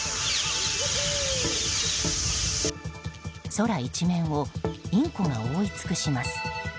空一面をインコが覆い尽くします。